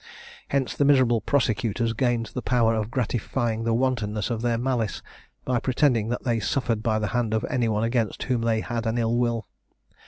Hence the miserable prosecutors gained the power of gratifying the wantonness of their malice, by pretending that they suffered by the hand of any one against whom they had an ill will.